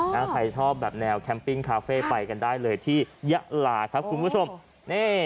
ใครชอบแบบแนวแคมปิ้งคาเฟ่ไปกันได้เลยที่ยะลาครับคุณผู้ชมนี่